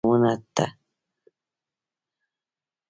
یومي شي ځنګل، ځنګل یادونوته